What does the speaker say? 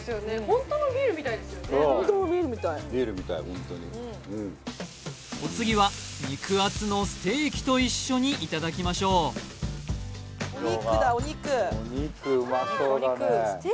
ホントのビールみたいビールみたいホントにお次は肉厚のステーキと一緒にいただきましょうお肉だお肉お肉うまそうだね